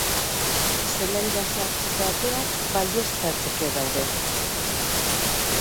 Zelaira sartzeko ateak baieztatzeke daude.